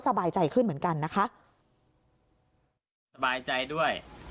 สบายใจด้วย